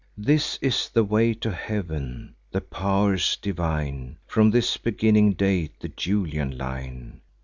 This is the way to heav'n: the pow'rs divine From this beginning date the Julian line.